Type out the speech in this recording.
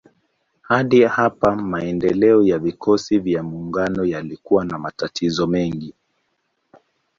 Hadi hapa maendeleo ya vikosi vya maungano yalikuwa na matatizo mengi.